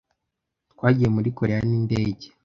Twagiye muri Koreya n'indege.